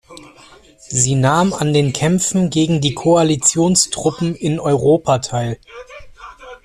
Sie nahm an den Kämpfen gegen die Koalitionstruppen in Europa teil.